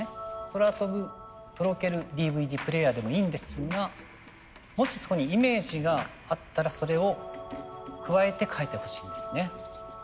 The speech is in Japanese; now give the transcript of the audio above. そらとぶとろけるＤＶＤプレーヤーでもいいんですがもしそこにイメージがあったらそれを加えて書いてほしいんですね。